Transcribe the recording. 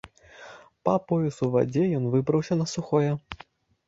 Па пояс у вадзе ён выбраўся на сухое.